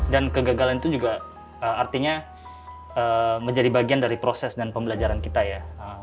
dan kegagalan itu juga artinya menjadi bagian dari proses dan pembelajaran kita ya